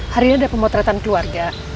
hari ini ada pemotretan keluarga